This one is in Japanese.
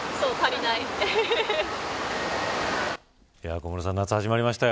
小室さん、夏始まりましたよ。